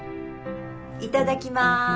いただきます。